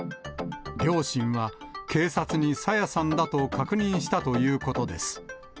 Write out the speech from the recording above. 両親は、警察に朝芽さんだと確認したということです。